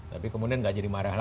tapi kemudian nggak jadi marah lagi